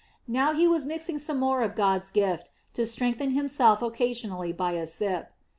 Now he was mixing some more of God's gift to strengthen himself occasionally by a sip.